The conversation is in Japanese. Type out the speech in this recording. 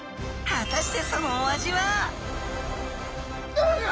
果たしてそのお味は！？